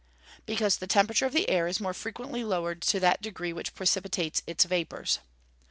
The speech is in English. _ Because the temperature of the air is more frequently lowered to that degree which precipitates its vapours.